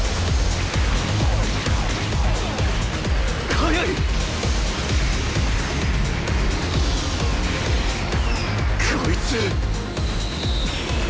速い！こいつ。